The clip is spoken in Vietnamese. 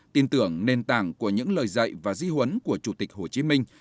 tin tưởng nền tảng của những lời dạy và di huấn của chủ tịch hồ chí minh